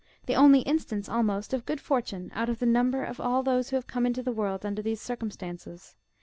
143 only instance, almost, of good fortune, out of the number of all those who have come into the world under these circum stances.